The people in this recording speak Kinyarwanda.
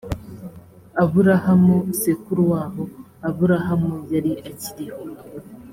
aburahamu sekuru wabo aburahamu yari akiriho